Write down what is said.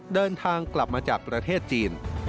เดินทางกลับมาจากประเทศจีน